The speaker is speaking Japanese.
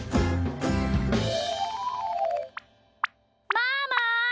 ママ！